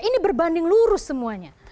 ini berbanding lurus semuanya